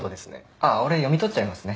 あっ俺読み取っちゃいますね。